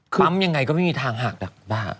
ปั๊มยังไงก็ไม่มีทางหักหรอกบ้า